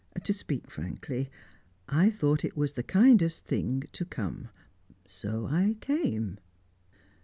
To speak frankly I thought it was the kindest thing to come so I came."